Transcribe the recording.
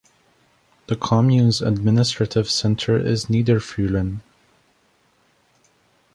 The commune's administrative centre is Niederfeulen.